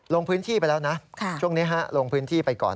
ลงพื้นที่ไปแล้วนะช่วงนี้ลงพื้นที่ไปก่อน